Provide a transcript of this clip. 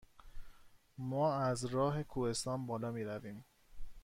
ما از راه کوهستان بالا می رویم؟